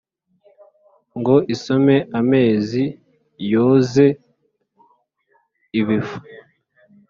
ngo isome amazi yoze ibifu !